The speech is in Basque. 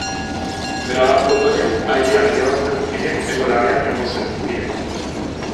Grabatu ondoren airean lehortzen ziren edo labean egosten ziren.